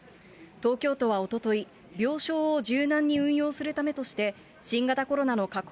東京都はおととい、病床を柔軟に運用するためとして、新型コロナの確保